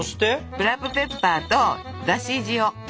ブラックペッパーとだし塩。